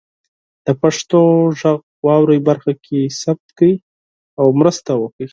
د پښتو غږ واورئ برخه کې ثبت کړئ او مرسته وکړئ.